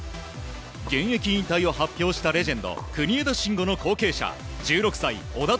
現役引退を発表したレジェンド国枝慎吾の後継者１６歳、小田凱